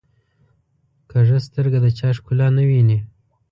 کوږه سترګه د چا ښکلا نه ویني